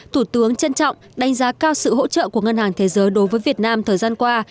thủ tướng trân trọng đánh giá cao sự hỗ trợ của ngân hàng thế giới đối với việt nam thời gian qua